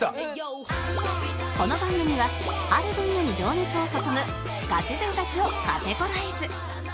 この番組はある分野に情熱を注ぐガチ勢たちをカテゴライズ